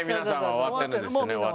終わってるんですね。